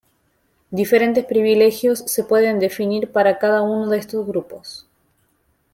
Diferentes privilegios se pueden definir para cada uno de estos grupos.